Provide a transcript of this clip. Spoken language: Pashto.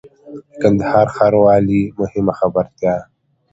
د کندهار ښاروالۍ مهمه خبرتيا